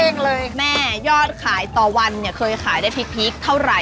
แม่ยอดขายต่อวันเคยขายได้พลิกเท่าไร